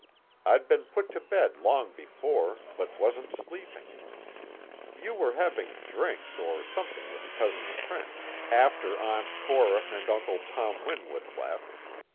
I'd been put to bed long before, but wasn't sleeping. You were having drinks or something with Cousin Trent, after Aunt Cora and Uncle Tom Winwood left.